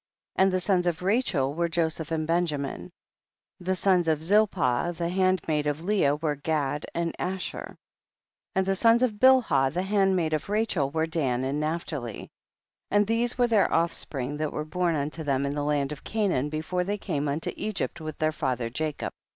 3. And the sons of Rachel were Joseph and Benjamin. 4. And the sons of Zilpah, the handmaid of Leah, were Gad and Asher. 5. And tlie sons of Bilhah, the handmaid of Rachel, were Dan and Naphtali. 6. And these were their offspring that were born unto them in the land of Canaan, before they came unto Egypt with their father Jacob.